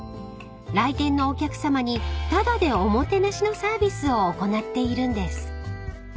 ［来店のお客さまにタダでおもてなしのサービスを行っているんです］